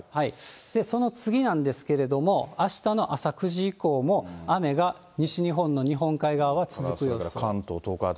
その次なんですけれども、あしたの朝９時以降も、雨が西日本の日本海側は続く予想です。